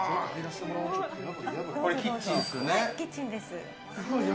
キッチンです。